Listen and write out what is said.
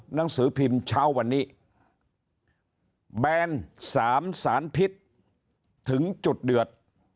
หนังสือพิมพ์เช้าวันนี้แบน๓สารพิษถึงจุดเดือด